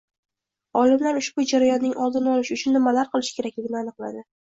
Olimlar ushbu jarayonning oldini olish uchun nimalar qilishi kerakligini aniqladi.